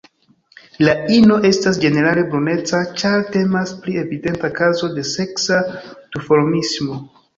La ino estas ĝenerale bruneca, ĉar temas pri evidenta kazo de seksa duformismo.